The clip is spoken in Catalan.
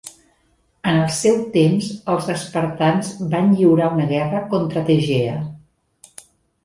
En el seu temps els espartans van lliurar una guerra contra Tegea.